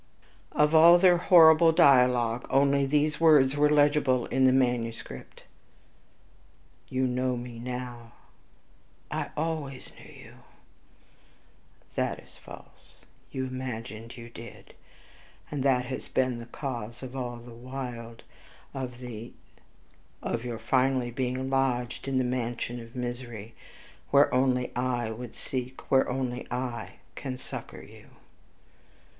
..... Of all their horrible dialogue, only these words were legible in the manuscript, "You know me now." "I always knew you." "That is false; you imagined you did, and that has been the cause of all the wild . of the ...... of your finally being lodged in this mansion of misery, where only I would seek, where only I can succor you."